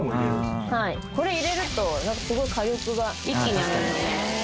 これ入れるとすごい火力が一気に上がるので。